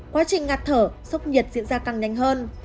quá trình ngạt thở sốc nhiệt diễn ra càng nhanh hơn